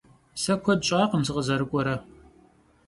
Se kued ş'akhım sıkhızerık'uere.